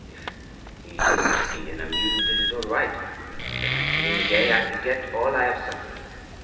If he is happy and amused, it is all right. When I see him gay, I forget all I have suffered."